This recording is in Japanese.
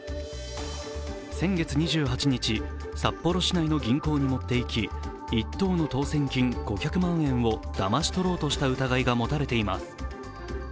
先月２８日、札幌市内の銀行に持っていき１等の当選金５００万円をだまし取ろうとした疑いが持たれています。